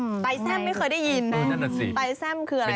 ไต้แซ่มไม่เคยได้ยินไต้แซ่มคืออะไรค่ะ